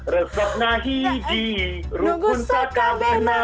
resok nahigi rukun sakamena